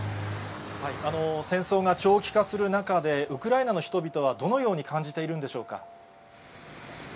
戦争が長期化する中で、ウクライナの人々はどのように感じているんでしょうか。